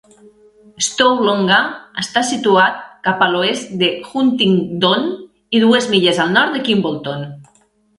Stow Longa està situat cap a l'oest de Huntingdon i dues milles al nord de Kimbolton.